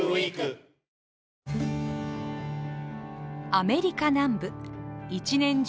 アメリカ南部、一年中